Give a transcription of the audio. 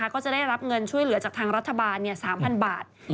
ก็จะได้รับเงินช่วยเหลือจากทางรัฐบาล๓๐๐บาท